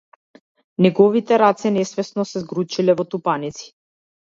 Неговите раце несвесно се згрчиле во тупаници.